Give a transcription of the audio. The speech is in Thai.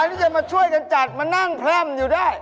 ที่จะมาช่วยกันจัดมานั่งพร่ำอยู่ได้